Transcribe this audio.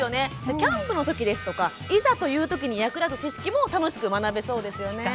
キャンプのときですとかいざというときに役立ちそうですよね。